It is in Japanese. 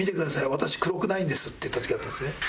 私黒くないんです」って言った時あったんですね。